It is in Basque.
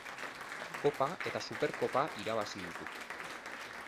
Kopa eta Superkopa irabazi ditu.